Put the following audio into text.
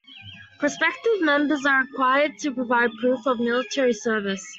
Prospective members are required to provide proof of military service.